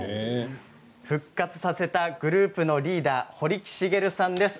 復活させたグループのリーダー堀木茂さんです。